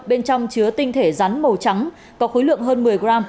bên trong chứa tinh thể rắn màu trắng có khối lượng hơn một mươi gram